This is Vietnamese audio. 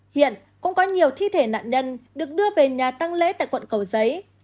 hiện cũng có nhiều thi thể nạn nhân được đưa về nhà tăng lễ tại quận cầu giấy